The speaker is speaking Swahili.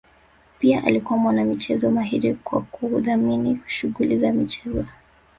pia alikuwa mwana michezo mahiri kwa kudhamini shughuli za michezo